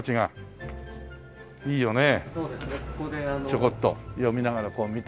ちょこっと読みながらこう見て。